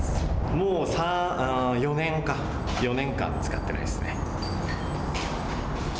もう４年、４年間使っていないです。